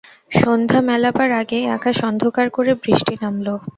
সন্ধ্যা মেলাবার আগেই আকাশ অন্ধকার করে বৃষ্টি নামল।